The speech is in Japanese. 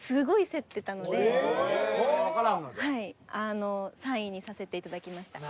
あの３位にさせていただきました。